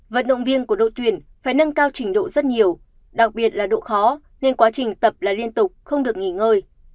vận động viên của đội tuyển phải nâng cao trình độ rất nhiều đặc biệt là độ khó nên quá trình tập là liên tục không được nghỉ ngơi